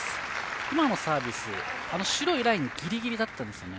今のサービス、白いラインギリギリでしたよね。